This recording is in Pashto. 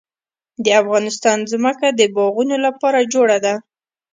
د افغانستان ځمکه د باغونو لپاره جوړه ده.